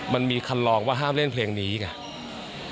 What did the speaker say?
มันมีคันลองว่าห้ามเล่นเพลงนี้ไง